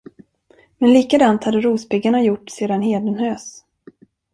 Men likadant hade rospiggarna gjort sedan hedenhös.